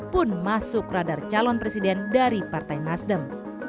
pun masuk radar calon presiden dari partai nasdem